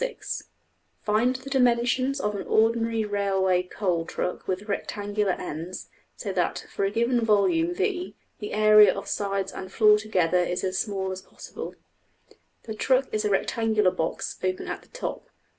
} Find the dimensions of an ordinary railway coal truck with rectangular ends, so that, for a given volume~$V$ the area of sides and floor together is as small as possible. \DPPageSep{192.png}% The truck is a rectangular box open at the top.